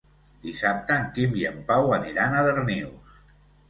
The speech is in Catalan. Dissabte en Quim i en Pau aniran a Darnius.